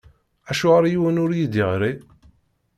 Acuɣer yiwen ur yi-d-iɣṛi?